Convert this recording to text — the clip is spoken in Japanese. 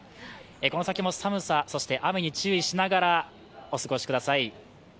この先も寒さ、そして雨に注意しながら、お過ごしください。